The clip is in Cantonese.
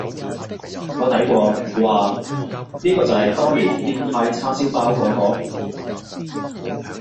我睇過，嘩，呢個就係當年變態叉燒包嗰個？